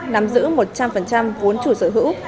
nắm giữ một trăm linh vốn chủ sở hữu